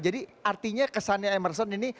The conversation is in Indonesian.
jadi artinya kesannya emerson ini